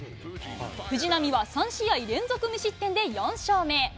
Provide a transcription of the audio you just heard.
藤浪は３試合連続無失点で４勝目。